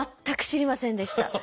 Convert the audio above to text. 全く知りませんでした。